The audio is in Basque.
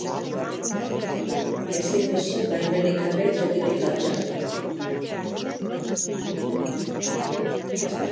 Ezin duzu baimenik gabe tokitik altxatu.